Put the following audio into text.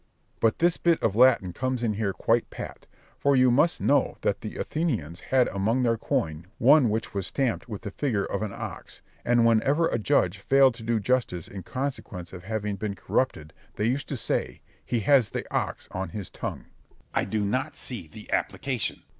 Berg. But this bit of Latin comes in here quite pat; for you must know that the Athenians had among their coin one which was stamped with the figure of an ox; and whenever a judge failed to do justice in consequence of having been corrupted, they used to say, "He has the ox on his tongue." Scip. I do not see the application.